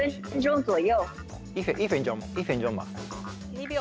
２秒。